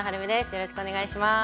よろしくお願いします